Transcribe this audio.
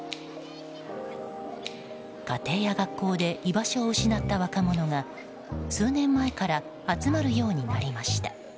家庭や学校で居場所を失った若者が数年前から集まるようになりました。